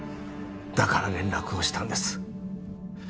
だから連絡をしたんです